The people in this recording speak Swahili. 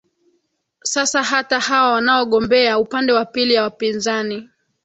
sasa hata hawa wanaogombea upande wa pili ya wapinzani